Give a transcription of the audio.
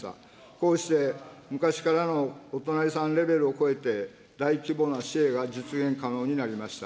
こうして昔からのお隣さんレベルを超えて、大規模なシェアが実現可能になりました。